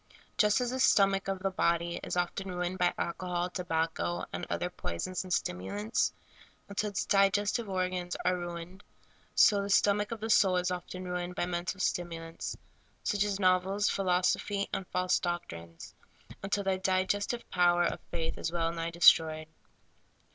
Just as the stomach of the body is often ruined by alcohol, tobacco, and other poisons and stimulants, until its digestive organs are ruined, so the stomach of the soul is often ruined by mental stim SOUIv FOOD. 7 ulants, such as novels, philosophy, and false doctrines, until the digestive power of faith is well nigh de stroyed.